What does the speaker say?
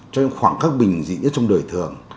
trong những khoảng cách bình dị nhất trong đời thường